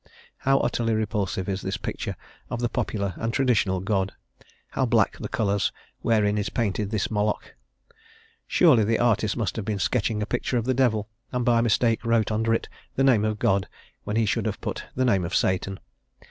How utterly repulsive is this picture of the popular and traditional God: how black the colours wherein is painted this Moloch; surely the artist must have been sketching a picture of the devil, and by mistake wrote under it the name of God when he should have put the name of Satan.